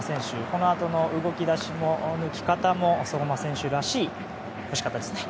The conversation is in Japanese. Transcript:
このあとの動き出しも、抜き方も相馬選手らしかったですね。